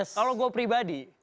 kalau gue pribadi